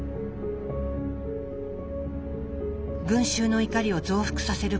群衆の怒りを増幅させる